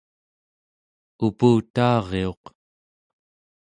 uputaariuq